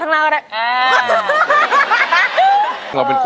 ร้องได้ให้ร้อง